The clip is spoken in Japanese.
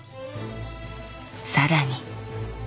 更に。